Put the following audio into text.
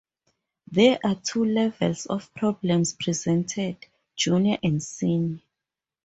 There are two levels of problems presented, Junior and Senior.